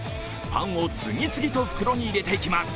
パンと次々と袋に入れていきます。